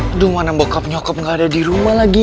aduh mana bokap nyokap nggak ada di rumah lagi